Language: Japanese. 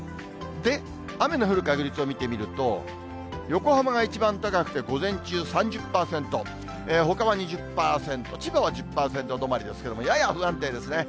で、雨の降る確率を見てみると、横浜が一番高くて、午前中３０％、ほかは２０％、千葉は１０％止まりですけれども、やや不安定ですね。